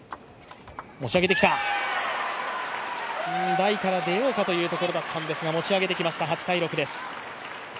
台から出ようかというところだったんですが、持ち上げてきました。